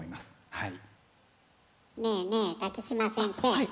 はい。